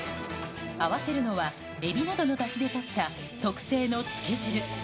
合わせるのは、エビなどのだしでとった特製のつけ汁。